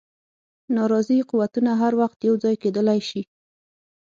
ناراضي قوتونه هر وخت یو ځای کېدلای شي.